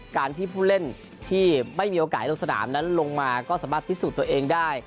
การที่ผู้เล่นที่ไม่มีโอกาสลงสนามนั้นลงมาก็สามารถพิสูจน์ตัวเองได้